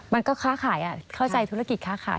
มันก็ค้าขายเข้าใจธุรกิจค้าขาย